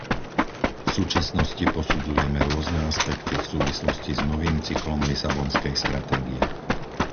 V súčasnosti posudzujeme rôzne aspekty v súvislosti s novým cyklom Lisabonskej stratégie.